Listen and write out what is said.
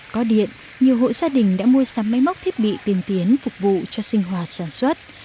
có điện nhiều hộ gia đình đã mua sắm máy móc thiết bị tiên tiến phục vụ cho sinh hoạt sản xuất